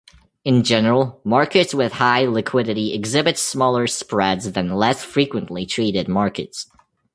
In general, markets with high liquidity exhibit smaller spreads than less frequently traded markets.